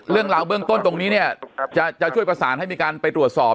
เรื่องราวเบื้องต้นตรงนี้เนี่ยจะช่วยประสานให้มีการไปตรวจสอบ